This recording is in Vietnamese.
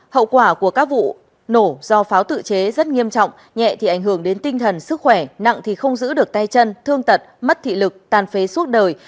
hậu quả của các vụ nổ do pháo tự chế rất nghiêm trọng nhẹ thì ảnh hưởng đến tinh thần sức khỏe nặng thì không giữ được tay chân thương tật mất thị lực tàn phế suốt đời